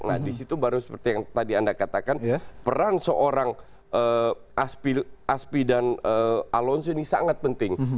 nah disitu baru seperti yang tadi anda katakan peran seorang aspi dan alonso ini sangat penting